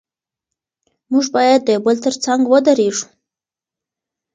موږ باید د یو بل تر څنګ ودرېږو.